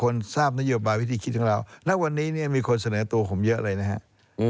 แล้ววันนี้มีคนเสนอตัวผมเยอะเลยนะครับ